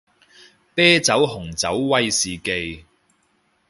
啤酒紅酒威士忌